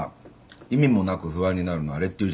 意味もなく不安になるのあれっていうじゃない。